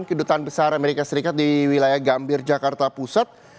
kedutaan besar amerika serikat di wilayah gambir jakarta pusat